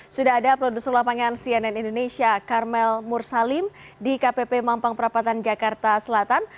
sudah ada produser lapangan cnn indonesia karmel mursalim di kpp mampang perapatan jakarta selatan